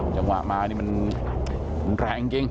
จังหวะมานี่มันแรงจริง